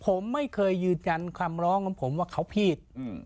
ผมไม่เคยยืนยันคำร้องของผมว่าเขาผิด